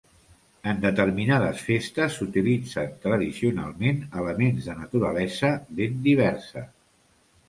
En determinades festes s'utilitzen tradicionalment elements de naturalesa ben diversa.